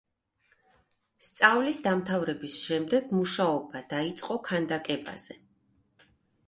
სწავლის დამთავრების შემდეგ მუშაობა დაიწყო ქანდაკებაზე.